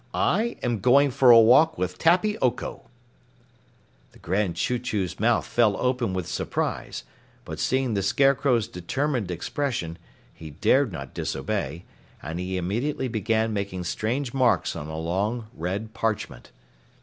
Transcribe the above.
I am going for a walk with Tappy Oko." The Grand Chew Chew's mouth fell open with surprise, but seeing the Scarecrow's determined expression, he dared not disobey, and he immediately began making strange marks on a long, red parchment.